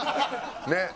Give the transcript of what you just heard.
ねっ。